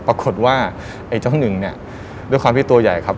ปรากฏว่าเจ้านึงด้วยความที่ตัวใหญ่ครับ